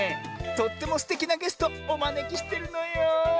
とってもすてきなゲストおまねきしてるのよ。